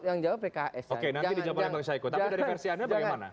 oke nanti dijawab oleh bang syaiq tapi dari versiannya bagaimana